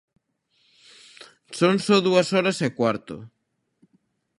Son só dúas horas e cuarto.